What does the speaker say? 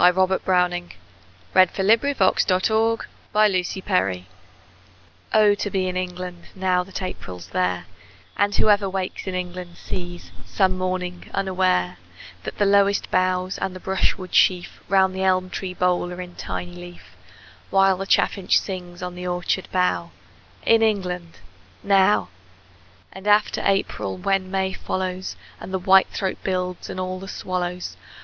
Robert Browning Home Thoughts, From Abroad OH, to be in England Now that April's there, And whoever wakes in England Sees, some morning, unaware, That the lowest boughs and the brush wood sheaf Round the elm tree bole are in tiny leaf, While the chaffinch sings on the orchard bough In England now! And after April, when May follows, And the whitethroat builds, and all the swallows!